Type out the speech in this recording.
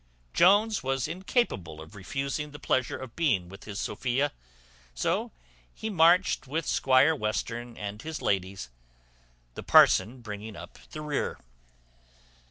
Jones was incapable of refusing the pleasure of being with his Sophia; so on he marched with Squire Western and his ladies, the parson bringing up the rear.